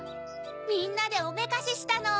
みんなでおめかししたの。